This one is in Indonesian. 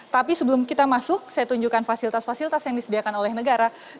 tapi sebelum kita masuk saya tunjukkan fasilitas fasilitas yang disediakan oleh negara